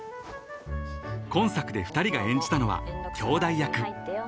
［今作で２人が演じたのはきょうだい役］